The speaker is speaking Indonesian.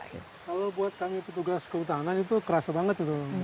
kalau buat kami petugas kehutanan itu kerasa banget